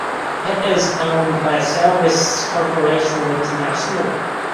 It is owned by Service Corporation International.